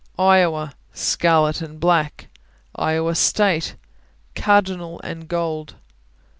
Iowa Scarlet and black. Iowa State Cardinal and gold.